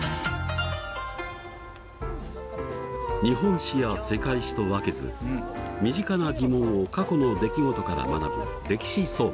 日本史や世界史と分けず身近な疑問を過去の出来事から学ぶ「歴史総合」。